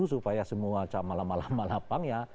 supaya semua camalah malah malapang ya